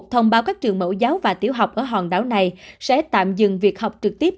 thông báo các trường mẫu giáo và tiểu học ở hòn đảo này sẽ tạm dừng việc học trực tiếp